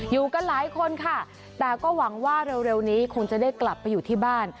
อยู่กันหลายคนค่ะแต่ก็หวังว่าเร็วนี้คงจะได้กลับไปอยู่ที่บ้าน